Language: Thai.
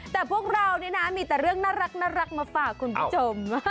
แต่พวกเรานี่นะมีแต่เรื่องน่ารักมาฝากคุณผู้ชม